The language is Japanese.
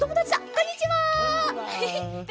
こんにちは。